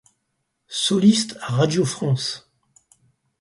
Soliste à Radio-France.